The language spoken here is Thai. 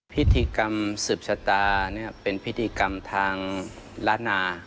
พิธีกรรมสืบชะตาเป็นพิธีกรรมทางล้านนา